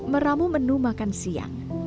meramu menu makan siang